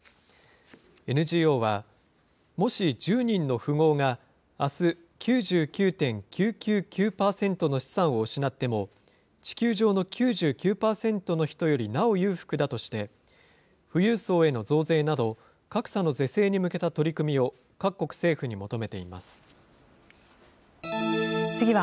ＮＧＯは、もし１０人の富豪が、あす９９．９９９％の資産を失っても、地球上の９９％の人よりなお裕福だとして、富裕層への増税など、格差の是正に向けた取り組みを各国政府に求めています。